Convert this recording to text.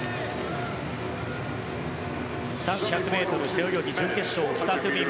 男子１００ｍ背泳ぎ準決勝２組目。